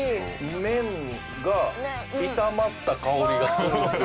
麺が炒まった香りがするんですよ。